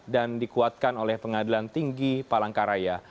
dan dikuatkan oleh pengadilan tinggi palangkaraya